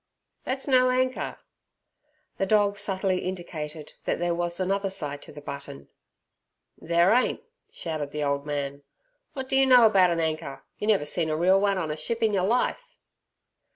"Thet's no anker!" The dog subtly indicated that there was another side to the button. "There ain't," shouted the old man. "What do you know about an anker; you never see a real one on a ship in yer life!"